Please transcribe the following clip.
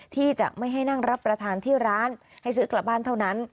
ที่จะไม่ให้นั่งรับประทานที่ร้านให้ซื้อกลับบ้านเท่านั้น